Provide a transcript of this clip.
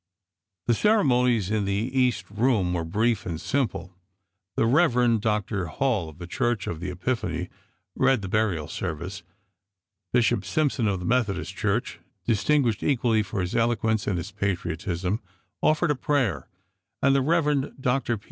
The ceremonies in the east room were brief and simple. The Rev. Dr. Hall of the Church of the Epiphany read the burial service. Bishop Simp son of the Methodist Church, distinguished equally 318 ABKAHAM LINCOLN chaiv xvi. for his eloquence and his patriotism, offered a prayer, and the Eev. Dr.